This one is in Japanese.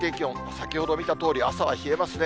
先ほど見たとおり、朝は冷えますね。